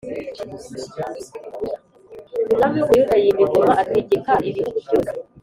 umwami w’ u Buyuda yima ingoma ategeka ibihugu byose